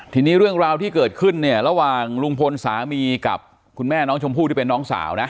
ทีนี้เรื่องราวที่เกิดขึ้นเนี่ยระหว่างลุงพลสามีกับคุณแม่น้องชมพู่ที่เป็นน้องสาวนะ